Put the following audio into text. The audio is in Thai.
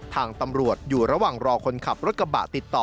ทางตำรวจอยู่ระหว่างรอคนขับรถกระบะติดต่อ